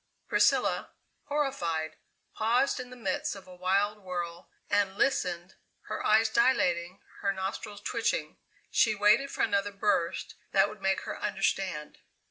Priscilla, horrified, paused in the midst of a wild whirl and listened, her eyes dilating, her nostrils twitching. She waited for another burst that would make her understand.